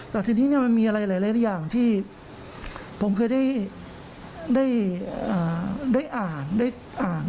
แต่ทีนี้มันมีอะไรหลายอย่างที่ผมเคยได้อ่านได้อ่าน